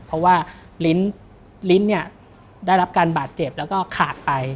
เพราะว่าลิ้นเนี่ยได้รับการบาดเจ็บแล้วก็ขาดไป